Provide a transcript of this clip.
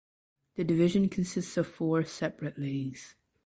The division consist of four separate leagues.